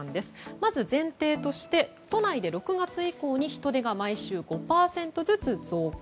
まず、前提として都内で６月以降に人出が毎週５％ずつ増加。